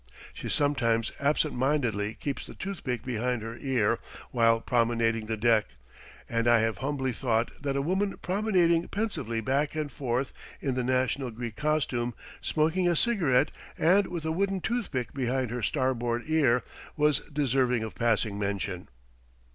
She sometimes absent mindedly keeps the toothpick behind her ear while promenading the deck, and I have humbly thought that a woman promenading pensively back and forth in the national Greek costume, smoking a cigarette, and with a wooden toothpick behind her starboard ear, was deserving of passing mention.